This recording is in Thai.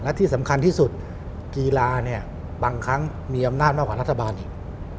และที่สำคัญที่สุดกีฬาเนี่ยบางครั้งมีอำนาจมากกว่ารัฐบาลอีก